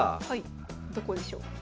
どこでしょう？